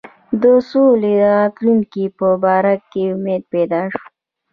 د سولي د راتلونکي په باره کې امید پیدا شو.